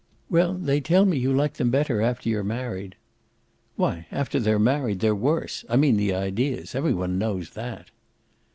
"Well, they tell me you like them better after you're married." "Why after they're married they're worse I mean the ideas. Every one knows that."